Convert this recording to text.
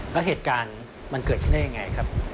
แล้วเหตุการณ์มันเกิดขึ้นได้ยังไงครับ